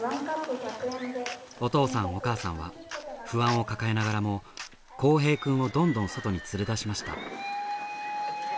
お父さんお母さんは不安を抱えながらも幸平くんをどんどん外に連れ出しました。